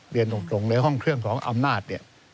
เรียนตรงในห้องเครื่องของอำนาจ